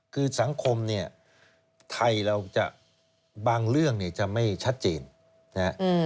คือสังคมเนี่ยไทยเราจะบางเรื่องเนี่ยจะไม่ชัดเจนนะฮะ